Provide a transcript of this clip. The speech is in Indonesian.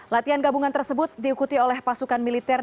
latihan gabungan tersebut diikuti oleh pasukan militer